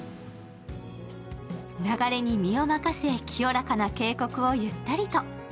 流れに身を任せ、清らかな渓谷をゆっくりと。